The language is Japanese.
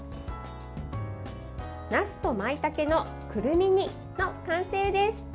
なすとまいたけのくるみ煮の完成です。